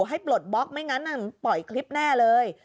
ปลดบล็อกไม่งั้นปล่อยคลิปแน่เลย